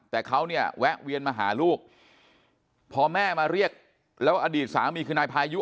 แต่เขาเนี่ยแวะเวียนมาหาลูกพอแม่มาเรียกแล้วอดีตสามีคือนายพายุ